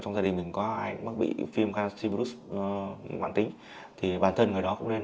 trong gia đình mình có ai cũng mắc bị viêm canxi virus ngoạn tính thì bản thân người đó cũng nên